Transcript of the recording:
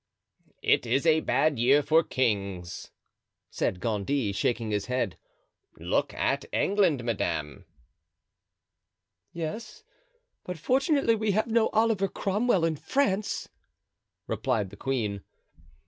"It is a bad year for kings," said Gondy, shaking his head; "look at England, madame." "Yes; but fortunately we have no Oliver Cromwell in France," replied the queen.